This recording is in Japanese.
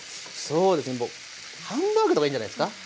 そうですねハンバーグとかいいんじゃないですか。